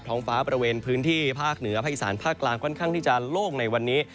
ห้องฟ้าบริเวณพื้นที่ภาคเหนือภาคอีสานภาคกลางค่อนข้างที่จะโล่งในวันนี้